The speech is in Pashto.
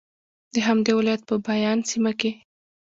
د همدې ولایت په بایان سیمه کې